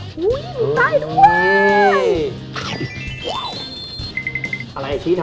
ใช่กินจกจงไม่ใช่ยิงจดโถ